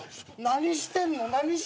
何してんの！？